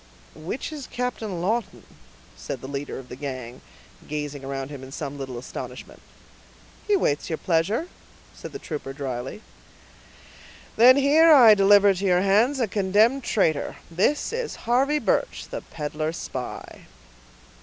"Which is Captain Lawton?" said the leader of the gang, gazing around him in some little astonishment. "He waits your pleasure," said the trooper dryly. "Then here I deliver to your hands a condemned traitor. This is Harvey Birch, the peddler spy."